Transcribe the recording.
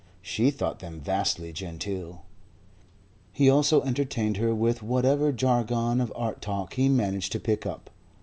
She thought them vastly genteel. He also entertained her with whatever jargon of art talk he managed to pick up.